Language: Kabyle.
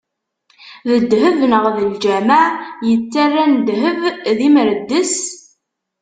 D ddheb, neɣ d lǧameɛ yettarran ddheb d imreddes?